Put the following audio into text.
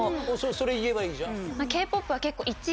それ言えばいいじゃん。